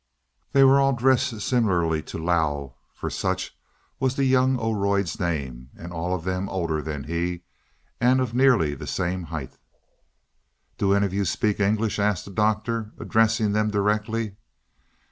They were all dressed similarly to Lao for such was the young Oroid's name and all of them older than he, and of nearly the same height. "Do any of you speak English?" asked the Doctor, addressing them directly.